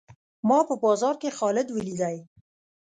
ما په بازار کښي خالد وليدئ.